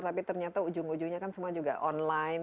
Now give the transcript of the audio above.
tapi ternyata ujung ujungnya kan semua juga online